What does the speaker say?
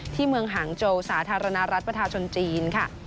ที่เมืองหางโจสาธารณรัฐประชาชนจีนค่ะ